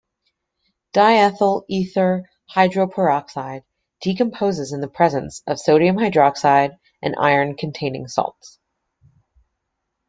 Diethyl ether hydroperoxide decomposes in the presence of sodium hydroxide and Fe-containing salts.